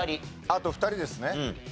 あと２人ですね。